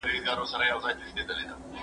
کالي ومينځه!